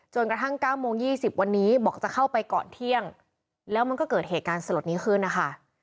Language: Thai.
กระทั่ง๙โมง๒๐วันนี้บอกจะเข้าไปก่อนเที่ยงแล้วมันก็เกิดเหตุการณ์สลดนี้ขึ้นนะคะ